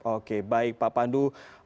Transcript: oke baik pak pandu